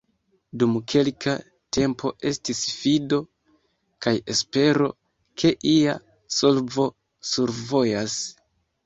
Dum kelka tempo estis fido kaj espero, ke ia solvo survojas.